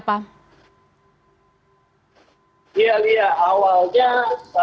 apakah anda mendapatkan informasi lainnya